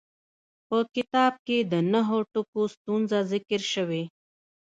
په کتاب کې د نهو ټکو ستونزه ذکر شوې.